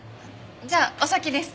じゃあお先です。